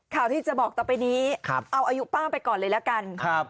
ข่าวที่จะบอกต่อไปนี้ครับเอาอายุป้าไปก่อนเลยแล้วกันครับ